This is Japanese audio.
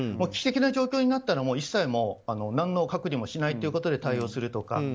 危機的な状況になったら一切、何の隔離もしないということで対応するとか。